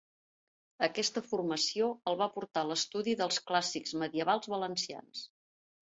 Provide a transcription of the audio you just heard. Aquesta formació el va portar a l'estudi dels clàssics medievals valencians.